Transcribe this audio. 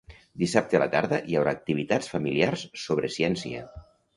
Dissabte a la tarda hi haurà activitats familiars sobre ciència.